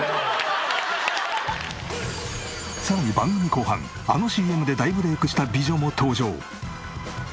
さらに番組後半あのＣＭで大ブレイクした美女も登場。